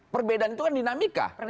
perbedaan itu kan dinamika